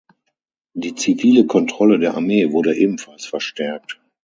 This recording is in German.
Die zivile Kontrolle der Armee wurde ebenfalls verstärkt.